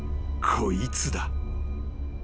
「こいつだ」